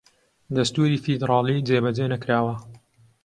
دەستووری فیدڕاڵی جێبەجێ نەکراوە